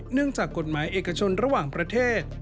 จากกฎหมายเอกชนระหว่างประเทศ